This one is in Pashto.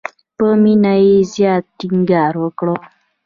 په مینه یې زیات ټینګار وکړ.